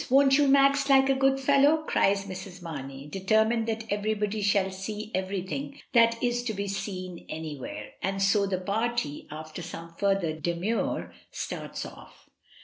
Won't you, Max, like a good fellow?" cries Mrs. Maniey, determined that everybody shall see everything that is to be seen anywhere; and so the party, after some further de mur, starts off.